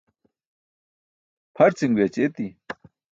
pharcin guyaći eti